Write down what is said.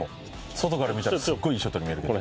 外から見たらすごいいいショットに見えるけど。